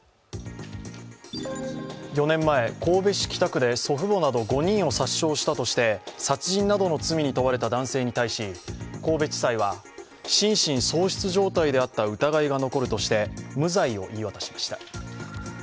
４年前、神戸市北区で祖父母など５人を殺傷したとして、殺人などの罪に問われた男性に対し神戸地裁は心神喪失状態であった疑いが残るとして無罪を言い渡しました。